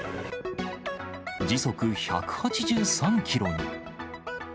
時速１８３キロに。